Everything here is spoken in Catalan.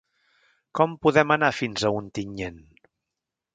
Com podem anar fins a Ontinyent?